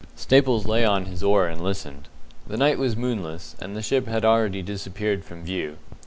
Staples lay on his oar and listened. The night was moonless, and the ship had already disappeared from view.